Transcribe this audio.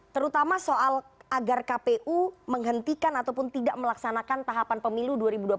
terutama soal agar kpu menghentikan ataupun tidak melaksanakan tahapan pemilu dua ribu dua puluh empat